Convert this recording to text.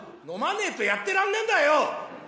「飲まねえとやってらんねえんだよ！」